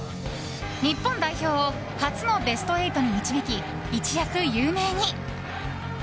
日本代表を初のベスト８に導き一躍有名に。